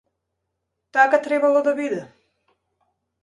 Така требало да биде.